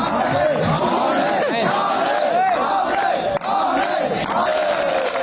หมอกิตติวัตรว่ายังไงบ้างมาเป็นผู้ทานที่นี่แล้วอยากรู้สึกยังไงบ้าง